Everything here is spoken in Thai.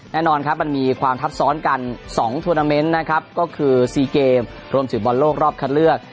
แน่นอนครับมันมีความทับซ้อนกัน๒ทวนาเมนต์นะครับก็คือ๔เกมรวมถึงบอลโลกรอบคัดเลือก